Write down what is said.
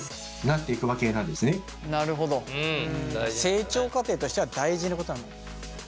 成長過程としては大事なこと。